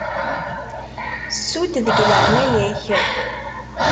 Ssu-d, deg leɛnaya-k.